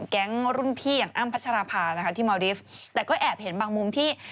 แก๊งรุ่นพี่อย่างอ้ำพัชราภานะคะที่เมาดิฟต์แต่ก็แอบเห็นบางมุมที่